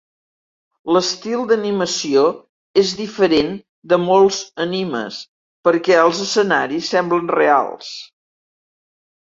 L'estil d'animació és diferent de molts animes, perquè els escenaris semblen reals.